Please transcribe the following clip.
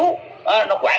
nó quản không có gì